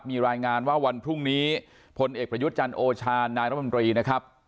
มีรายงานว่าวันพรุ่งนี้พลเอกประยุทธ์จันทร์โอชานายรัฐมนตรีนะครับ